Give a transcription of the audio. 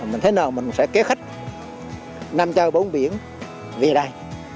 mình thấy nào mình sẽ kế khách năm châu bốn biển về đây